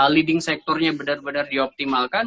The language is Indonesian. leading sectornya benar benar dioptimalkan